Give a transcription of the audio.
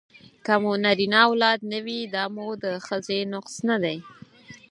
که مو نرینه اولاد نه وي دا مو د ښځې نقص نه دی